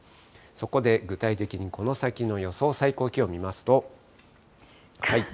そこで具体的にこの先の予想最高気温見ますと。